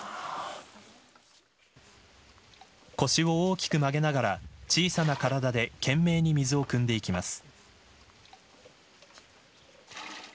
腰を大きく曲げながら小さな体で懸命に水をくんでいきます。